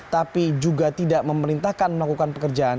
tapi juga tidak memerintahkan melakukan pekerjaan